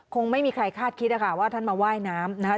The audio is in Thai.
คงไม่มีใครคาดคิดนะคะว่าท่านมาว่ายน้ำนะคะ